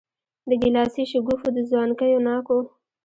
د ګیلاسي شګوفو د ځوانکیو ناکو